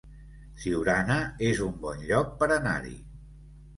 Siurana es un bon lloc per anar-hi